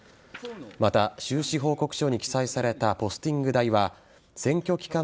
また、収支報告書に記載されたポスティング代は選挙期間